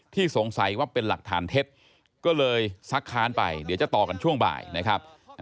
สงสัยว่าเป็นหลักฐานเท็จก็เลยซักค้านไปเดี๋ยวจะต่อกันช่วงบ่ายนะครับ